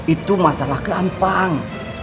itu masalah keampang